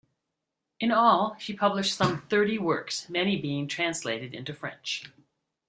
In all, she published some thirty works, many being translated into French.